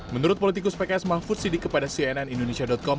menurut politikus pks mahfud sidik kepada cnn indonesia com